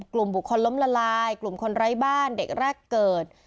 กลุ่มบุคคลล้มละลายกลุ่มคนไร้บ้านเด็กแรกเกิด